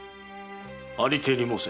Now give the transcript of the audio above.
ありていに申せ。